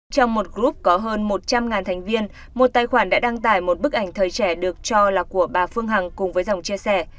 trong một group có hơn một trăm linh thành viên một tài khoản đã đăng tải một bức ảnh thời trẻ được cho là của bà phương hằng cùng với dòng chia sẻ